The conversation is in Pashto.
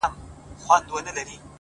ما د دريم ژوند وه اروا ته سجده وکړه،